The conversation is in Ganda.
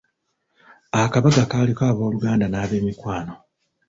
Akabaga kaaliko ab'oluganda n'ab'emikwano.